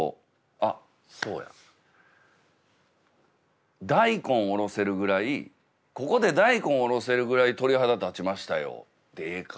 あそうや大根おろせるぐらいここで大根おろせるぐらい鳥肌立ちましたよでええか。